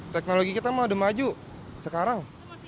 teknologi kita mah udah maju sekarang